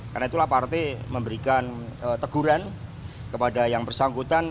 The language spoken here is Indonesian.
karena itulah partai memberikan teguran kepada yang bersangkutan